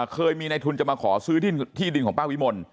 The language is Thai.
เคยมีในทุนจะมาขอซื้อที่ดินของป้าวิมล